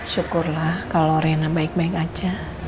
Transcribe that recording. syukurlah kalau rena baik baik aja